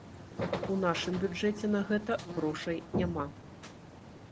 У нашым бюджэце на гэта грошай няма.